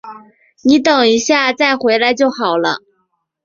你等一下再回来就好了